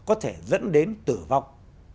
có thể dẫn đến tử vong